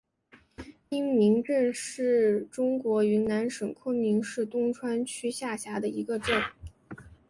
因民镇是中国云南省昆明市东川区下辖的一个镇。